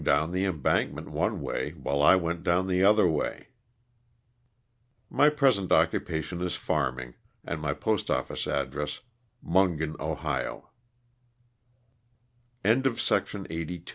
247 down the embankment one way while I went down the other way. My present occupation is farming, and my postoffice address Mungen, Ohio. WM.